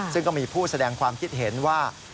ซึ่งก็มีผู้แสดงความคิดเห็นว่า